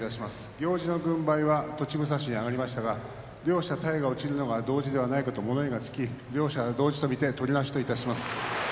行司の軍配は栃武蔵に挙がりましたが両者の体が落ちるのが同時ではないかと見て両者同時と見て取り直しといたします。